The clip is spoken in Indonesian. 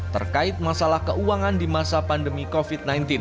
terkait masalah keuangan di masa pandemi covid sembilan belas